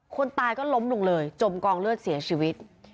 คนตายก็ล้มลงเลยจมกองเลือดเสียชีวิต